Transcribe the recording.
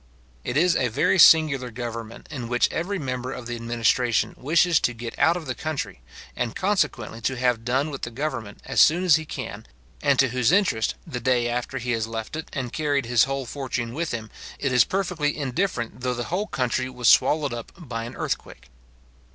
It is a very singular government in which every member of the administration wishes to get out of the country, and consequently to have done with the government, as soon as he can, and to whose interest, the day after he has left it, and carried his whole fortune with him, it is perfectly indifferent though the whole country was swallowed up by an earthquake.